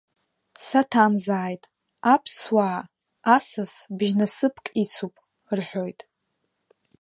Саҭамзааит, аԥсуаа асас бжь-насыԥк ицуп, — рҳәоит.